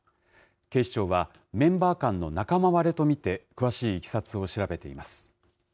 警視庁は、メンバー間の仲間割れと見て、詳しいいきさつを調べています。